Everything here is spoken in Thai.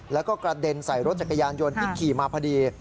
แล้วก็กระเด็นใส่รถจักรยานยนต์ที่ขี่มาพอดี